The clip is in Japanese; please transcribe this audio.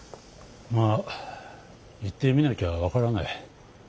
まあ行ってみなきゃ分からない。